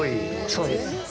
そうです。